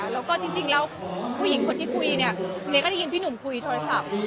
แล้วก็จริงแล้วผู้หญิงคนที่คุยเนี่ยเมย์ก็ได้ยินพี่หนุ่มคุยโทรศัพท์